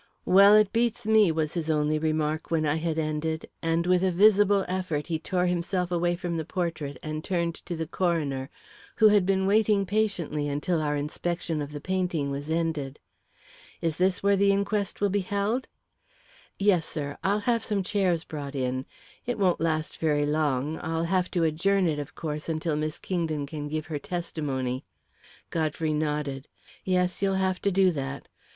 "Well, it beats me," was his only remark, when I had ended, and with a visible effort he tore himself away from the portrait, and turned to the coroner, who had been waiting patiently until our inspection of the painting was ended. "Is this where the inquest will be held?" "Yes, sir; I'll have some chairs brought in. It won't last very long. I'll have to adjourn it, of course, until Miss Kingdon can give her testimony." Godfrey nodded. "Yes, you'll have to do that.